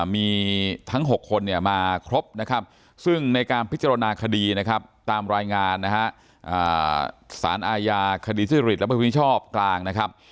มีทั้ง๖คนมาครบซึ่งในการพิจารณาคดีตามรายงานศาลอาญาคดีทฤษฎริสและประวัติผู้นิชชอบกลาง